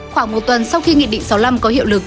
khoảng một tuần sau khi nghị định sáu mươi năm có hiệu lực